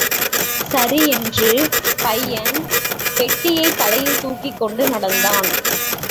சரி என்று பையன் பெட்டியைத் தலையில் தூக்கிக் கொண்டு நடந்தான்.